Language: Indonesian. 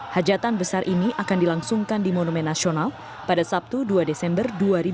hajatan besar ini akan dilangsungkan di monumen nasional pada sabtu dua desember dua ribu dua puluh